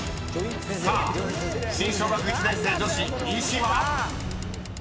［さあ新小学１年生女子医師は⁉］